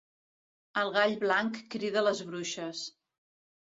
El gall blanc crida les bruixes.